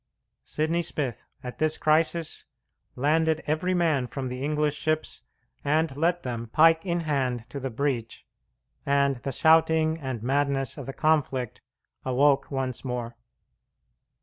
Sidney Smith, at this crisis, landed every man from the English ships, and led them, pike in hand, to the breach, and the shouting and madness of the conflict awoke once more.